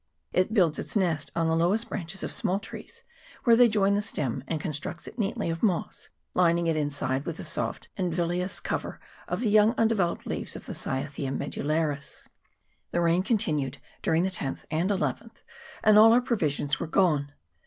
It builds its nest on the lowest branches of small trees, where they join the stem, and constructs it neatly of moss, lining it inside with the soft and villous cover of the young undeveloped leaves of the Cyathea medullaris. The rain continued during the 10th and llth, and all our provisions were gone.